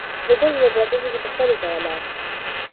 زده کوونکي به راتلونکې کې پوښتنې کوله.